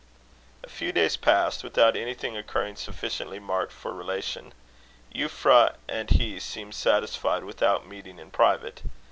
A few days passed without anything occurring sufficiently marked for relation. Euphra and he seemed satisfied without meeting in private.